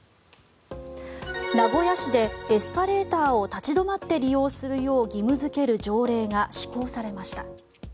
名古屋市でエスカレーターを立ち止まって利用するよう義務付ける条例が施行されました。